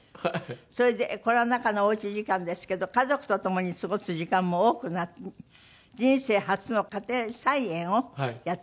それでコロナ禍のおうち時間ですけど家族とともに過ごす時間も多くなり人生初の家庭菜園をやった。